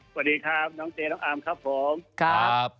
สวัสดีครับน้องเจน้องอาร์มครับผมครับ